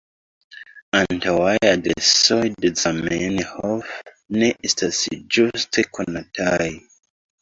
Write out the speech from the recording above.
Antaŭaj adresoj de Zamenhof ne estas ĝuste konataj.